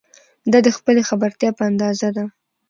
دا د خپلې خبرتیا په اندازه ده.